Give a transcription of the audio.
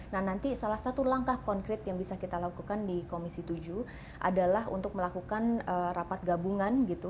nah nanti salah satu langkah konkret yang bisa kita lakukan di komisi tujuh adalah untuk melakukan rapat gabungan gitu